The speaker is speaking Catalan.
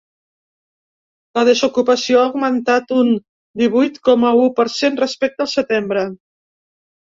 La desocupació ha augmentat un divuit coma u per cent respecte al setembre.